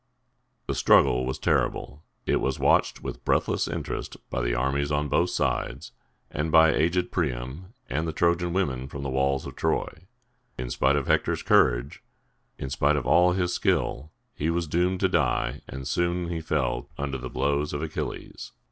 The struggle was terrible. It was watched with breathless interest by the armies on both sides, and by aged Priam and the Trojan women from the walls of Troy. In spite of Hector's courage, in spite of all his skill, he was doomed to die, and soon he fell under the blows of Achilles.